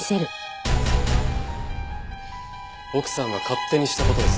奥さんが勝手にした事ですか？